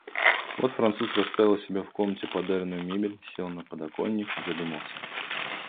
Вот француз расставил у себя в комнате подаренную мебель, сел на подоконник и задумался.